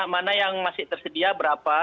mana yang masih tersedia berapa